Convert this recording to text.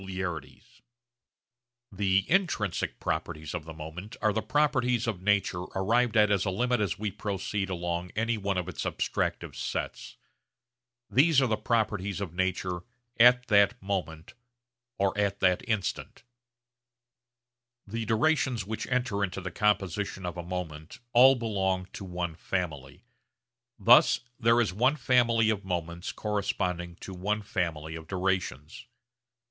We may term these connexions of the component durations the 'extrinsic' properties of a moment; the 'intrinsic' properties of the moment are the properties of nature arrived at as a limit as we proceed along any one of its abstractive sets. These are the properties of nature 'at that moment,' or 'at that instant.' The durations which enter into the composition of a moment all belong to one family. Thus there is one family of moments corresponding to one family of durations.